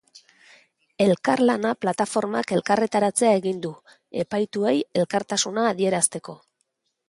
Elkarlana plataformak elkarretaratzea egin du, epaituei elkartasuna adierazteko.